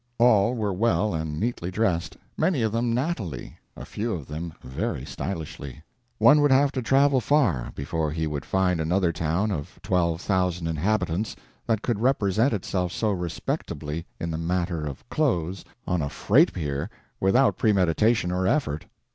All were well and neatly dressed; many of them nattily, a few of them very stylishly. One would have to travel far before he would find another town of twelve thousand inhabitants that could represent itself so respectably, in the matter of clothes, on a freight pier, without premeditation or effort.